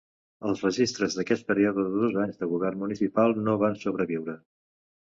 Els registres d'aquest període de dos anys de govern municipal no van sobreviure.